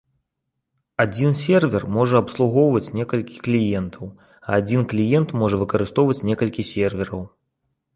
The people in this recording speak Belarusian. Адзін сервер можа абслугоўваць некалькі кліентаў, а адзін кліент можа выкарыстоўваць некалькі сервераў.